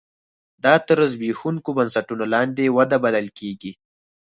دا تر زبېښونکو بنسټونو لاندې وده بلل کېږي.